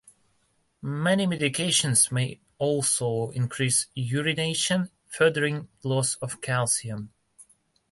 Many medications may also increase urination, furthering loss of calcium.